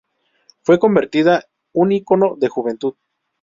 Fue convertida un icono de juventud.